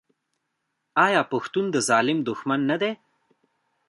آیا پښتون د ظالم دښمن نه دی؟